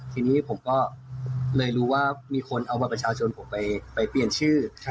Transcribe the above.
ทีนี้ผมก็เลยรู้ว่ามีคนเอาบัตรประชาชนผมไปเปลี่ยนชื่อ